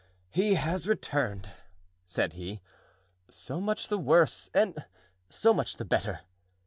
"He has returned," said he. "So much the worse, and so much the better!"